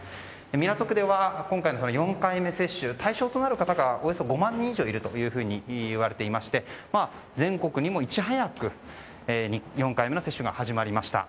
港区では、今回の４回目接種の対象となる方がおよそ５万人以上いるといわれていまして全国よりもいち早く４回目接種が始まりました。